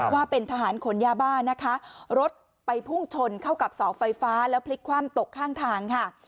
ว่าเป็นทหารขนยาบ้านะคะรถไปพุ่งชนเข้ากับเสาไฟฟ้าแล้วพลิกคว่ำตกข้างทางค่ะ